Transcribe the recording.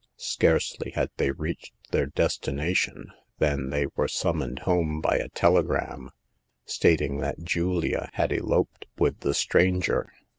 Scarcely had they reached their destination than they were summoned home by a telegram, stating that Julia had eloped with the stranger.